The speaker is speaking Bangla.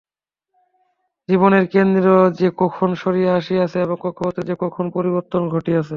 জীবনের কেন্দ্র যে কখন সরিয়া আসিয়াছে এবং কক্ষপথের যে কখন পরিবর্তন ঘটিয়াছে।